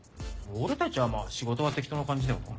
俺たちはまぁ仕事は適当な感じだよな。